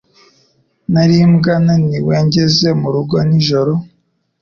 Nari imbwa naniwe ngeze murugo nijoro.